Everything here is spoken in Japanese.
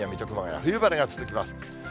冬晴れが続きます。